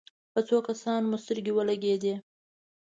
په څو کسانو مو سترګې ولګېدې.